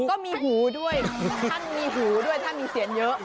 ก็มีหูด้วยท่านมีหูด้วยท่านมีเสียงเยอะ